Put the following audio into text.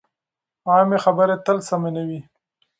عامې خبرې تل سمې نه وي.